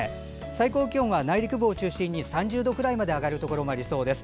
最高気温は内陸部を中心に３０度くらいまで上がるところがありそうです。